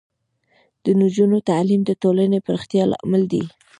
د نجونو تعلیم د ټولنې پراختیا لامل دی.